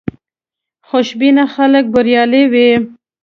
خوشبینه خلک بریالي وي.